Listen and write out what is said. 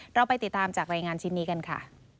เราไปติดตามจากรายงานชิ้นนี้กันค่ะ